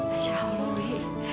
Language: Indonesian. insya allah wi